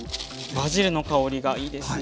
バジルの香りがいいですね。